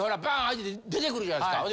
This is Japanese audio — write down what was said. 開いて出てくるじゃないですか？